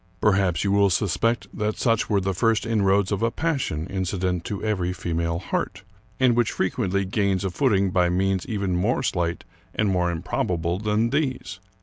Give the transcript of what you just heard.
Perhaps you will suspect that such were the first inroads of a passion inci dent to every female heart, and which frequently gains a footing by means even more slight and more improbable than these.